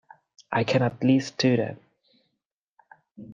I can at least do that.